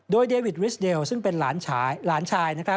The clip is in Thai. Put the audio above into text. โดยเดวิดริสเดลซึ่งเป็นหลานชาย